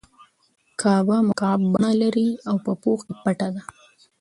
کعبه مکعب بڼه لري او په پوښ کې پټه ده.